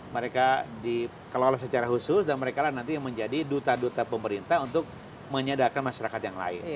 mereka dikelola secara khusus dan mereka lah nanti yang menjadi duta duta pemerintah untuk menyadarkan masyarakat yang lain